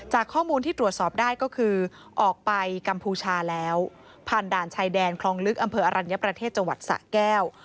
ข้อมูลที่ตรวจสอบได้ก็คือออกไปกัมพูชาแล้วผ่านด่านชายแดนคลองลึกอำเภออรัญญประเทศจังหวัดสะแก้ว